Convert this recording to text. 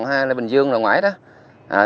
hay là bình dương là ngoài đó